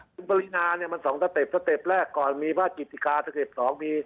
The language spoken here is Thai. คุณปรินามันสองสเต็ปสเต็ปแรกก่อนมีภาคกิจกราศสเต็ปสอง